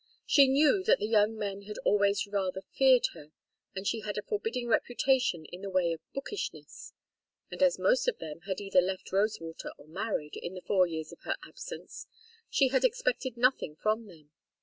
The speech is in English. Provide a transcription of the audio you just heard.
She knew that the young men had always rather feared her, as she had a forbidding reputation in the way of "bookishness"; and as most of them had either left Rosewater or married, in the four years of her absence, she had expected nothing from them.